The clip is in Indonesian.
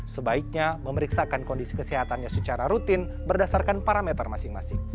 sebaiknya memeriksakan kondisi kesehatannya secara rutin berdasarkan parameter masing masing